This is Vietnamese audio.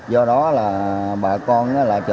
do đó là bà con